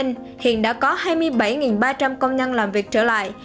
hiện đã có hai mươi bảy ba trăm linh công nhân làm việc trở lại